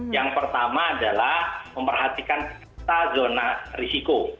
yang pertama adalah memperhatikan kita zona risiko